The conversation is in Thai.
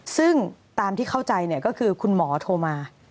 ซึ่งตามที่เข้าใจก็คือคุณหมอโทรมา